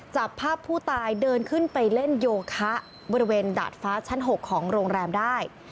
จับภาพผู้ตายเดินขึ้นไปเล่นโยคะบริเวณดาดฟ้าชั้น๖ของโรงแรมได้